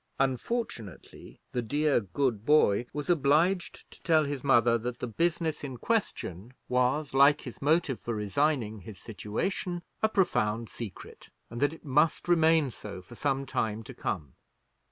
Unfortunately the dear good boy was obliged to tell his mother that the business in question was, like his motive for resigning his situation, a profound secret, and that it must remain so for some time to come.